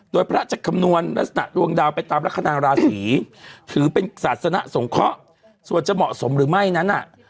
โดยพระจะคำนวณลักษณะดวงดาวไปตามลักษณะราศีถือเป็นศาสนาสงเคราะห์ส่วนจะเหมาะสมหรือไม่นั้นน่ะ